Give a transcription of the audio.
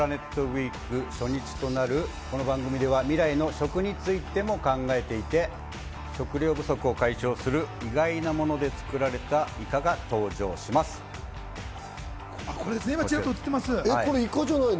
ウィーク初日となるこの番組では未来の食についても考えていて、食料不足を解消する意外なもので作られたイカがこれ、イカじゃないの？